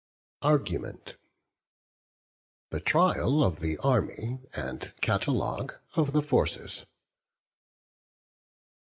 ARGUMENT. THE TRIAL OF THE ARMY AND CATALOGUE OF THE FORCES.